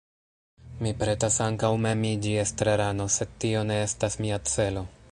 Mi pretas ankaŭ mem iĝi estrarano, sed tio ne estas mia celo.